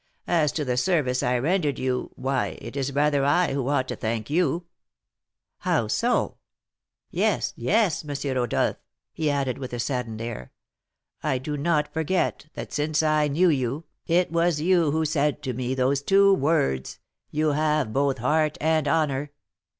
As to the service I rendered you, why, it is rather I who ought to thank you." "How so?" "Yes, yes, M. Rodolph," he added, with a saddened air, "I do not forget that, since I knew you, it was you who said to me those two words,'You have both heart and honour!'